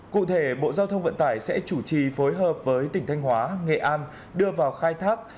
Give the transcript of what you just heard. cụ thể bộ giao thông vận tải sẽ chủ trì phối hợp với tỉnh thanh hóa nghệ an đưa vào khai thác